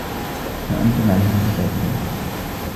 ما أنتم عليه بفاتنين